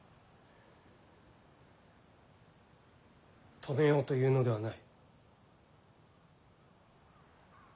止めようというのではない。